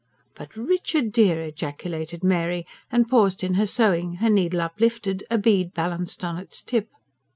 "But Richard dear!" ejaculated Mary, and paused in her sewing, her needle uplifted, a bead balanced on its tip.